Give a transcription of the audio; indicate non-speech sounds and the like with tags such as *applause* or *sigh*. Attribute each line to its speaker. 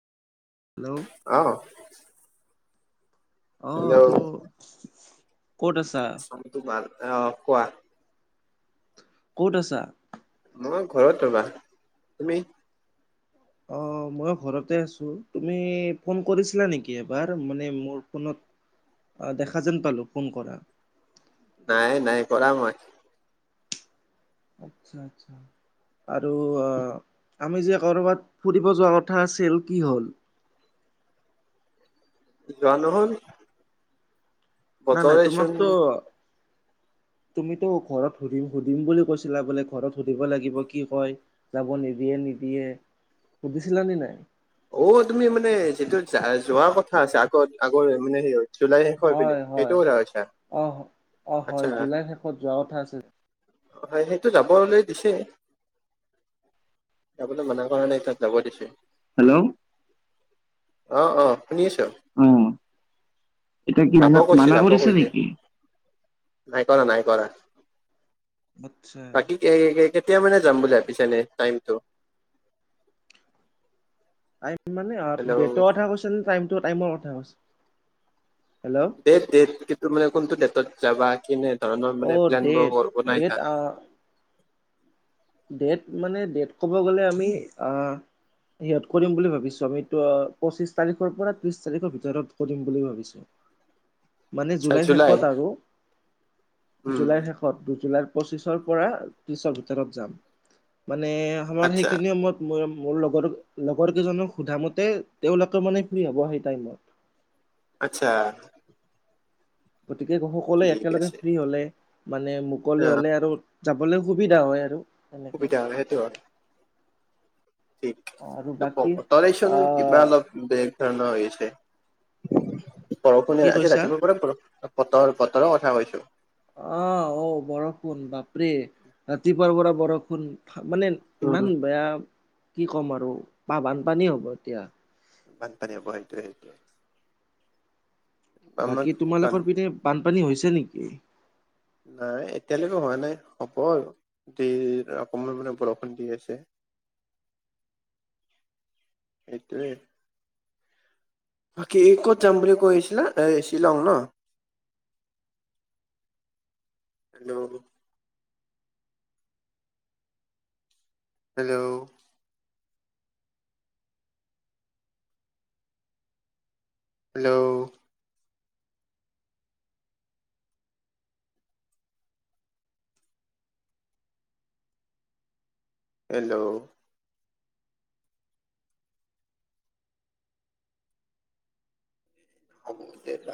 Speaker 1: Hello
Speaker 2: অঁ।
Speaker 1: অঁ
Speaker 2: hello
Speaker 1: তো ক'ত আছা?
Speaker 2: তোমাৰ অঁ কোৱা?
Speaker 1: ক'ত আছা?
Speaker 2: মই ঘৰত ৰবা তুমি?
Speaker 1: অঁ' মই ঘৰতে আছো, তুমি ফোন কৰিছিলা নেকি এবাৰ মানে মোৰ ফোনত- অ দেখা যেন পালো ফোন কৰা।
Speaker 2: নাই নাই কৰা মই।
Speaker 1: আৎচ্ছা আৎচ্ছা। আৰু অ আমি যে কৰ'বাত ফুৰিব যোৱা কথা আছিল কি হ'ল?
Speaker 2: যোৱা নহল।
Speaker 1: নাই নাই তোমাক
Speaker 2: বতৰেচোন
Speaker 1: তো- তুমিতো ঘৰত সুধিম সুধিম বুলি কৈছিলা বোলে ঘৰত সুধিব লাগিব কি কয়? যাব নিদিয়ে নিদিয়ে সুধিছিলানে নাই?
Speaker 2: অ তুমি মানে যিটো যোৱাৰ কথা আছে আগত আগৰ মানে সেই হয়- জুলাইৰ শেষৰ পিনে
Speaker 1: হয় হয়
Speaker 2: সেইটো কথা কৈছা
Speaker 1: অ অ হয়
Speaker 2: আৎচ্ছা।
Speaker 1: জুলাই শেষত যোৱা কথা আছিল।
Speaker 2: হয়, সেইটো যাবলৈ দিছে। যাবলে মানা কৰা তাত যাব দিছে।
Speaker 1: হেল্লৌ'
Speaker 2: অঁ অঁ শুনি আছো,
Speaker 1: অ এতিয়া কি
Speaker 2: যাব
Speaker 1: মানা
Speaker 2: কৈছে
Speaker 1: মানা
Speaker 2: যাব
Speaker 1: কৰিছে
Speaker 2: কৈছে।
Speaker 1: নেকি?
Speaker 2: নাই কৰা নাই কৰা।
Speaker 1: আচ্ছা।
Speaker 2: বাকী কে কেতিয়া মানে যাম বুলি ভাবিছা এনে টাইমটো?
Speaker 1: টাইম মানে অ
Speaker 2: হেল্ল'
Speaker 1: ডেটৰ কথা কৈছে ন টাইমৰ কথা কৈছে? হেল্ল'!
Speaker 2: ডেট ডেট সেইটো মানে কোনটো ডেটত যাবা কেনে ধৰণৰ
Speaker 1: অ
Speaker 2: মানে প্লেন
Speaker 1: ডেট
Speaker 2: বোৰ
Speaker 1: ডেট
Speaker 2: বনাইছা?
Speaker 1: আহ ডেট মানে ডেট ক'ব গ'লে আমি আহ হাৰীয়ত কৰিম বুলি ভাবিছো আমিতো পঁচিশ তাৰিখৰ পৰা ত্ৰিশ তাৰিখৰ ভিতৰত কৰিম বুলি ভাবিছো। মানে
Speaker 2: আচ্ছা
Speaker 1: জুলাইৰ
Speaker 2: জুলাই
Speaker 1: শেষত আৰু?
Speaker 2: উম
Speaker 1: জুলাইৰ শে ষত, জুলাইৰ পঁচিছৰ পৰা ত্ৰিশৰ ভিতৰত যাম, মানে আমাৰ
Speaker 2: আচ্ছা
Speaker 1: সেইখিনি সময়ত মোৰ মোৰ লগৰ লগৰ কেইজনক সোধা মতে তেওঁলোকে মানে ফ্ৰী হ'ব সেই টাইমত।
Speaker 2: আচ্ছা।
Speaker 1: গতিকে সকলোৱে
Speaker 2: ঠিক
Speaker 1: একেলগে
Speaker 2: আছে
Speaker 1: ফ্ৰী হলে মানে
Speaker 2: অ
Speaker 1: মুকলি হলে আৰু যাবলৈ সুবিধা হয় আৰু। তেনেকে
Speaker 2: সুবিধা হয়, সেইটো হয়। কি
Speaker 1: আৰু বাকী
Speaker 2: *unintelligible* কিবা
Speaker 1: আহ
Speaker 2: অলপ বেলেগ ধৰণৰ হৈ আছে,
Speaker 1: কি
Speaker 2: বৰষুণে আজি
Speaker 1: কৈছা
Speaker 2: ৰাতিপুৱাৰ পৰা বৰষুণ বতৰ বতৰৰ কথা কৈছো।
Speaker 1: অঁ অঁ বৰষুণ বাপৰে ৰাতিপুৱাৰ পৰা বৰষুণ মানে
Speaker 2: উম
Speaker 1: ইমান বেয়া কি ক'ম আৰু বা বানপানী হ'ব এতিয়া।
Speaker 2: বান পানী হ'ব সেইটোৱে সেইটোৱে। আমাক
Speaker 1: বাকী
Speaker 2: বান
Speaker 1: তোমালোকৰ পিনে বানপানী হৈছে নেকি?
Speaker 2: নাই এতিয়ালৈকে হোৱা নাই হ'ব আৰু, দি অকমান মানে বৰষুণ দি আছে। সেইটোৱে। বাকী ক'ত যাম বুলি কৈ আছিলা এ শ্বিলং ন? হেল্ল'! হেল্ল'! হেল্ল'! হেল্ল'! হ'ব দে